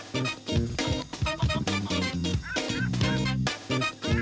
ต้องร่วมส่งคล้ายปีเก่าต้อนรับปีใหม่